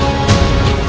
aku mau ke rumah